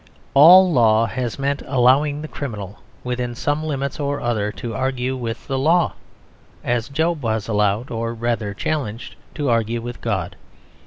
All law has meant allowing the criminal, within some limits or other, to argue with the law: as Job was allowed, or rather challenged, to argue with God.